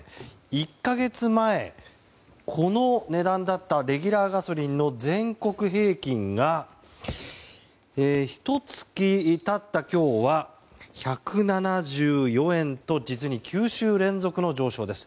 １か月前、この値段だったレギュラーガソリンの全国平均がひと月経った今日は１７４円と実に９週連続の上昇です。